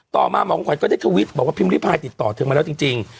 ต่อมาหมอขวัญก็ได้ทวิตบอกว่าพิมพิพายติดต่อเธอมาแล้วจริง